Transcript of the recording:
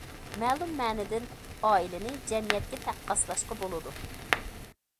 مەلۇم مەنىدىن ئائىلىنى جەمئىيەتكە تەققاسلاشقا بولىدۇ.